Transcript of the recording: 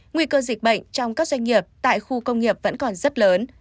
nguy cơ dịch bệnh trong các doanh nghiệp tại khu công nghiệp vẫn còn rất lớn